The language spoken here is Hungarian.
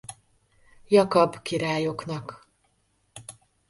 Jakab királyoknak.